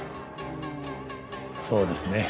そうですね。